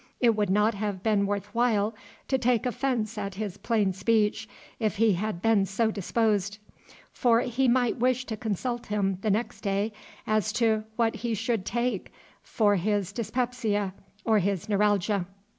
It would not have been worth while to take offence at his plain speech, if he had been so disposed; for he might wish to consult him the next day as to "what he should take" for his dyspepsia or his neuralgia.